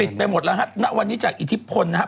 ไปหมดแล้วฮะณวันนี้จากอิทธิพลนะครับ